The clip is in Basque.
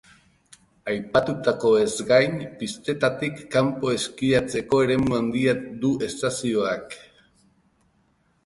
Aipatutakoez gain, pistetatik kanpo eskiatzeko eremu handia du estazioak.